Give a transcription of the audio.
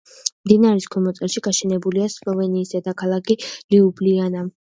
მდინარის ქვემო წელში გაშენებულია სლოვენიის დედაქალაქი ლიუბლიანა.